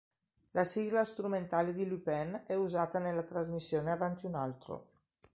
La sigla strumentale di Lupin è usata nella trasmissione "Avanti un altro!